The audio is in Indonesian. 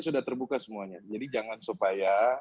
sudah terbuka semuanya jadi jangan supaya